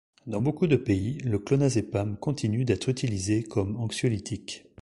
Dans beaucoup de pays, le clonazépam continue d'être utilisé comme anxiolytique.